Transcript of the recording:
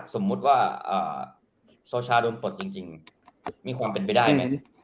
สมมุติว่าโซชาโดนปลดจริงมีความเป็นไปได้ไหม